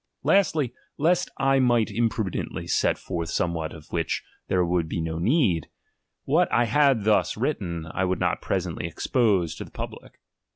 Lastly, lest I might imprudently set forth somewhat of which there would be no need, what I had thus J TO THE READER. i wrritten I would not presently expose to the pub lie.